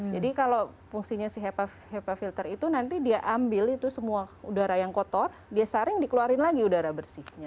jadi kalau fungsinya si hepa filter itu nanti dia ambil itu semua udara yang kotor dia saring dikeluarin lagi udara bersihnya